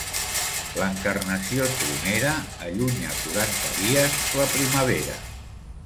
L'Encarnació tronera allunya quaranta dies la primavera.